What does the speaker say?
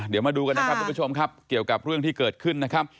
เดี๋ยวมาดูกันนะครับทุกผู้ชมครับเกี่ยวกับเรื่องที่เกิดขึ้นนะครับ